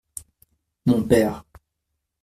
Mon père.